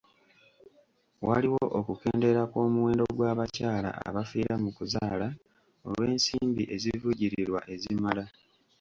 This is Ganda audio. Waliwo okukendeera kw'omuwendo gw'abakyala abafiira mu kuzaala olw'ensimbi ezivujjirirwa ezimala.